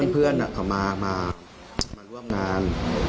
เพื่อนเขามาร่วมงาน